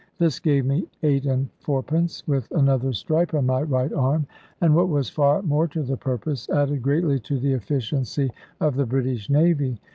This gave me eight and fourpence, with another stripe on my right arm, and what was far more to the purpose, added greatly to the efficiency of the British Navy.